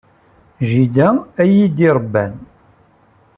D jida ay iyi-d-iṛebban.